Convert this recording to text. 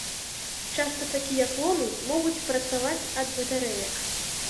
Часта такія клоны могуць працаваць ад батарэек.